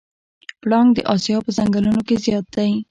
پړانګ د اسیا په ځنګلونو کې زیات دی.